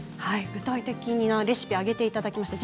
具体的にいいレシピを挙げていただきました。